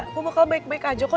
aku bakal baik baik aja kok